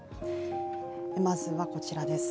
まずはこちらです